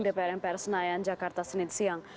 dprnpr senayan jakarta senin siang